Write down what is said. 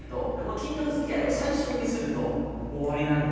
近所付き合いを最初にミスるともう終わりなんですよね。